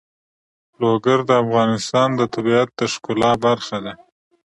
لوگر د افغانستان د طبیعت د ښکلا برخه ده.